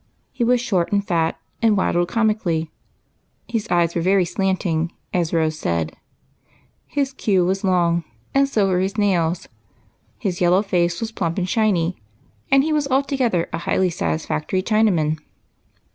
He was short and fat, and waddled comically; his A TRIP TO CHINA. 77 eyes were very " slanting," as Rose said ; his queue was long, so were his nails ; his yellow face was plump and shiny, and he was altogether a highly satisfactory Chinaman.